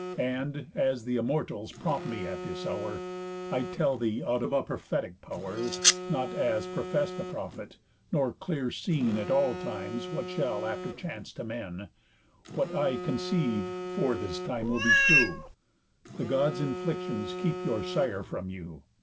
And (as th' Immortals prompt me at this hour) I'll tell thee, out of a prophetic pow'r, (Not as profess'd a prophet, nor clear seen At all times what shall after chance to men) What I conceive, for this time, will be true: The Gods' inflictions keep your sire from you.